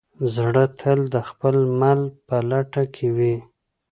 زړه تل د خپل مل په لټه کې وي.